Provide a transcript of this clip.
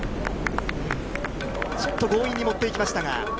ちょっと強引に持っていきました